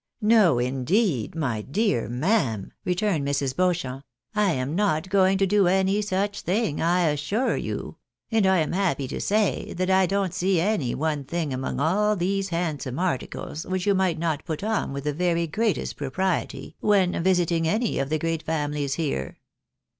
" No, indeed, my dear ma'am," returned Mrs. Beauchamp, " I am not going to do any such thing, I assure you ; and I am happy to say that I don't see any one thing among all these handsome articles which you might not put on with the very greatest pro priety when visiting any of the great famihes here.